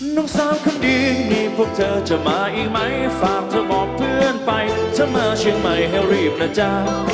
ลูกสาวคนดีมีพวกเธอจะมาอีกไหมฝากเธอบอกเพื่อนไปเธอมาเชียงใหม่ให้รีบนะจ๊ะ